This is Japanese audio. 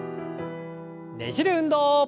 ねじる運動。